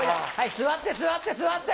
座って、座って、座って。